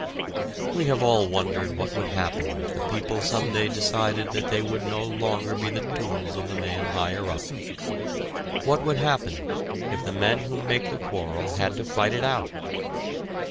We have all wondered what would happen if the people some day decided that they would no longer be the tools of the man higher up, what would happen if the men who make the quarrel had to fight it out.